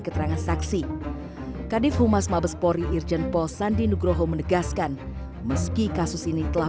keterangan saksi kadif humas mabespori irjen pol sandi nugroho menegaskan meski kasus ini telah